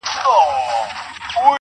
ما مي د هسک وطن له هسکو غرو غرور راوړئ.